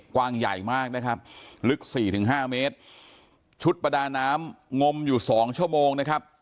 กวางใหญ่มากนะครับลึก๔๕เมตรชุดประดาน้ำงมอยู่๒ชั่วโมงนะครับ